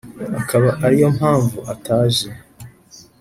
akaba ariyo mpamvu ataje